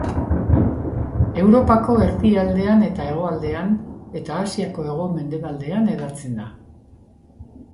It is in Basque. Europako erdialdean eta hegoaldean eta Asiako hego-mendebaldean hedatzen da.